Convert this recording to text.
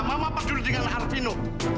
mama berdua dengan arpino